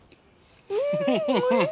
フフフフ。